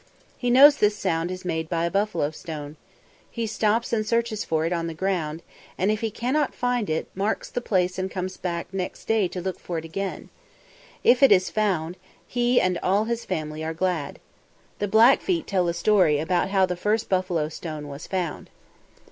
He knows this sound is made by a buffalo stone. He stops and searches for it on the ground, and if he cannot find it, marks the place and comes back next day to look for it again. If it is found, he and all his family are glad. The Blackfeet tell a story about how the first buffalo stone was found.